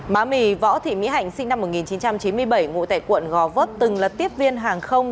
má mì võ thị mỹ hạnh sinh năm một nghìn chín trăm chín mươi bảy ngụ tại quận gò vấp từng là tiếp viên hàng không